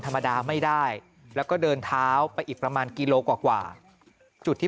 ธรรมดาไม่ได้แล้วก็เดินเท้าไปอีกประมาณกิโลกว่าจุดที่